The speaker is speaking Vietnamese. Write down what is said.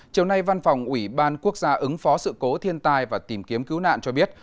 chiều nay văn phòng ủy ban quốc gia ứng phó sự cố thiên tai và tìm kiếm cứu nạn cho biết